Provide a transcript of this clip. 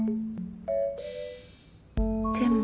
でも。